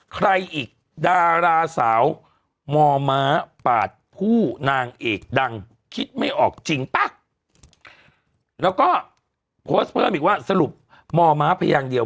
ใครอีกดาราสาวม่อม้าปาดผู้นางเอกดังคิดไม่ออกจริงปะแล้วก็อีกว่าสรุปม่อม้าเพียงอย่างเดียว